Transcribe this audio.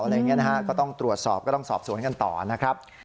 อะไรอย่างนี้นะฮะก็ต้องตรวจสอบก็ต้องสอบสวนกันต่อนะครับ